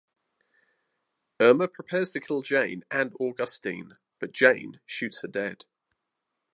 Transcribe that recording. Irma prepares to kill Jane and Augustine, but Jane shoots her dead.